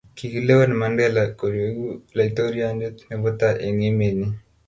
Kikilewen Mandela koleku laitoriande nebo tai eng' emenyin